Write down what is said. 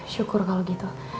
syukur kalau gitu